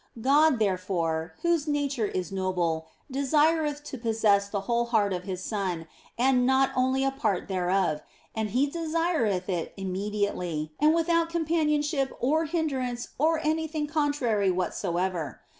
God, therefore, whose nature is noble, desireth to possess the whole heart of His son and not only a part thereof, and He desireth it immediately, and without companionship or hindrance or anything contrary what soever.